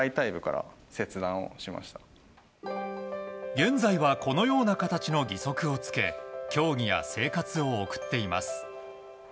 現在はこのような形の義足をつけ競技や生活を送っています。